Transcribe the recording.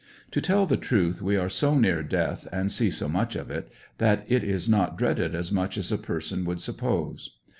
To tell the truth, we are so near death and see so much of it, that it is not dreaded as much as a person would suppose.